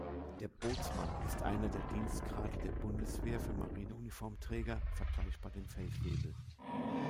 Der Bootsmann ist einer der Dienstgrade der Bundeswehr für Marineuniformträger, vergleichbar dem Feldwebel.